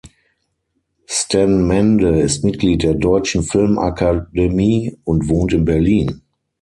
Sten Mende ist Mitglied der Deutschen Filmakademie und wohnt in Berlin.